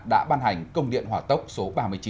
đã ban hành công điện hỏa tốc số ba mươi chín